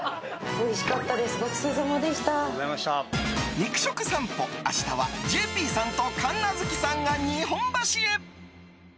肉食さんぽ、明日はＪＰさんと神奈月さんが日本橋へ。